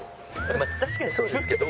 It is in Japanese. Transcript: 確かにそうですけど。